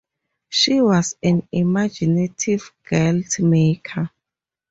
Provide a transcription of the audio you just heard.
She was an imaginative quilt maker.